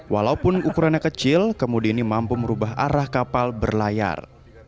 walaupun ukurannya kecil kemudi ini mampu merubah arah kapal berlayar